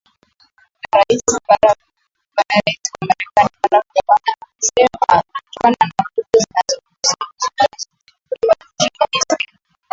na rais wa marekani barack obama amesema kutokana na vurugu zinazoshuhudiwa nchini misri